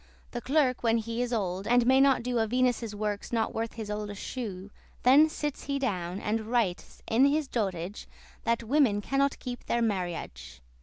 The clerk, when he is old, and may not do Of Venus' works not worth his olde shoe, Then sits he down, and writes in his dotage, That women cannot keep their marriage.